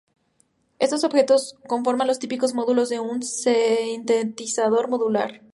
Estos objetos conforman los típicos módulos de un sintetizador modular.